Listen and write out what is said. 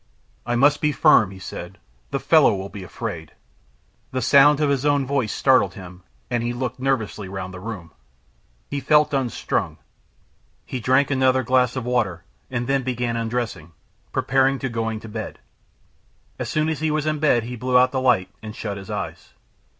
"I must be firm," he said. "The fellow will be afraid." The sound of his own voice startled him, and he looked nervously round the room. He felt unstrung. He drank another glass of water, and then began undressing, preparatory to going to bed. As soon as he was in bed he blew out the light and shut his eyes.